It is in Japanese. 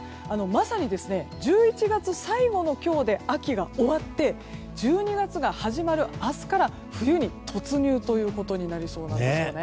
まさに１１月最後の今日で秋が終わって１２月が始まる明日から冬に突入ということになりそうなんです。